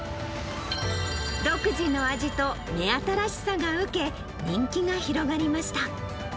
独自の味と目新しさが受け、人気が広がりました。